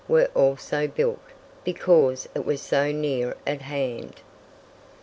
were also built, because it was so near at hand.